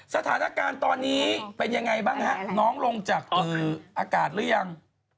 สถานการณ์ตอนนี้เป็นยังไงบ้างฮะน้องลงจากอากาศหรือยัง